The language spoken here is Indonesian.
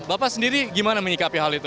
bapak sendiri gimana menyikapi hal itu